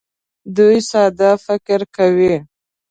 دوی ساده فکر کوي.